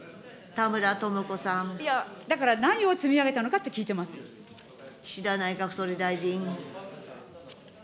だから何を積み上げたのかっ岸田内閣総理大臣。